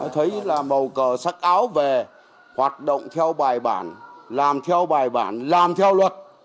thấy là màu cờ sắc áo về hoạt động theo bài bản làm theo bài bản làm theo luật